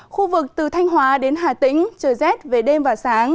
khu vực từ thanh hóa đến hà tĩnh trời rét về đêm và sáng